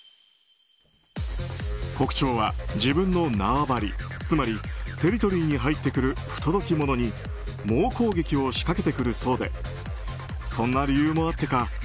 コクチョウは自分の縄張りつまりテリトリーに入ってくる不届き者に猛攻撃を仕掛けてくるそうでそんな理由もあってか